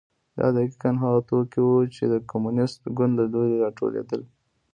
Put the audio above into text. دا دقیقا هغه توکي وو چې د کمونېست ګوند له لوري راټولېدل.